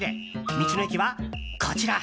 道の駅は、こちら。